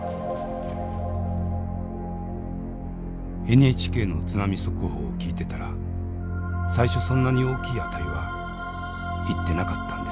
「ＮＨＫの津波速報を聞いてたら最初そんなに大きい値はいってなかったんですよね」。